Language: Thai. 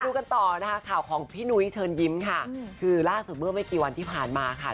ดูกันต่อนะคะข่าวของพี่นุ้ยเชิญยิ้มค่ะคือล่าสุดเมื่อไม่กี่วันที่ผ่านมาค่ะ